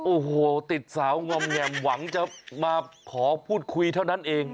โอ้โหติดสาวงอมแงมหวังจะมาขอพูดคุยเท่านั้นเอง